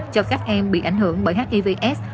cho các em bị ảnh hưởng bởi hivs